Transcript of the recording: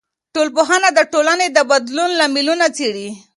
ټولنپوهنه د ټولنې د بدلون لاملونه څېړي.